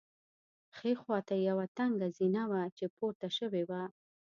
ښي خوا ته یوه تنګه زینه وه چې پورته شوې وه.